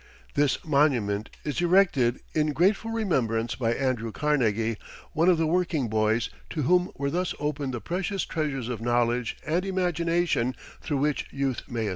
This monument is erected in grateful remembrance by Andrew Carnegie, one of the "working boys" to whom were thus opened the precious treasures of knowledge and imagination through which youth may ascend.